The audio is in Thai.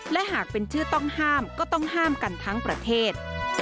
และหากเป็นชื่อต้องห้ามก็ต้องห้ามกันทั้งประเทศ